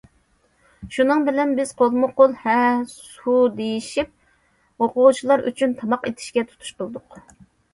شۇنىڭ بىلەن، بىز قولمۇ- قول ھە سۇ دېيىشىپ، ئوقۇغۇچىلار ئۈچۈن تاماق ئېتىشكە تۇتۇش قىلدۇق.